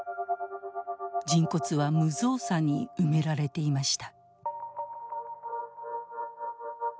人骨は無造作に埋められていました。